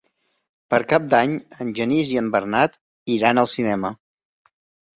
Per Cap d'Any en Genís i en Bernat iran al cinema.